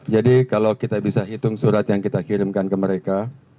jadi kalau kita bisa hitung surat yang kita kirimkan ke mereka